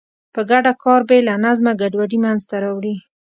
په ګډه کار بې له نظمه ګډوډي منځته راوړي.